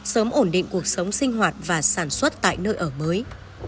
sớm ổn định cuộc sống sinh hoạt và sản xuất tại nơi ở mới